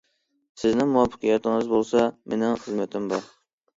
سىزنىڭ مۇۋەپپەقىيىتىڭىز بولسا، مېنىڭ خىزمىتىم بار.